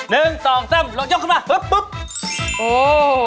๑๒๓เรายกขึ้นมาปุ๊บ